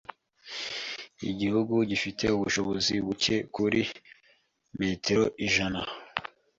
Igicu gifite ubushobozi buke kuri metero ijana